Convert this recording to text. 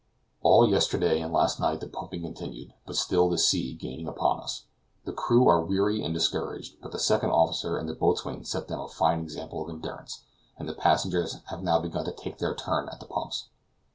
All yesterday and last night the pumping continued, but still the sea gained upon us. The crew are weary and discouraged, but the second officer and the boatswain set them a fine example of endurance, and the passengers have now begun to take their turn at the pumps.